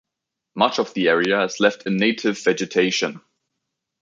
Much of the area is left in native vegetation.